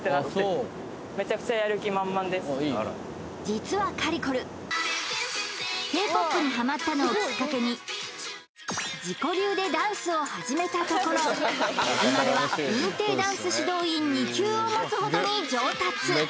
実はかりこるＫ−ＰＯＰにハマったのをきっかけに自己流でダンスを始めたところ今では認定ダンス指導員２級を持つほどに上達